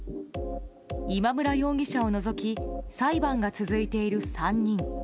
今村容疑者を除き裁判が続いている３人。